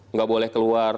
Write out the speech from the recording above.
nggak boleh keluar